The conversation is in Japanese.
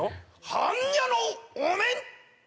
般若のお面！